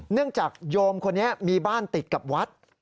เนื่องจากโยมคนนี้มีบ้านติดกับวัด